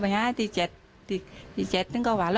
เบอร์ลูอยู่แบบนี้มั้งเยอะมาก